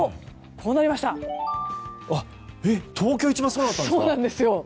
そうなんです。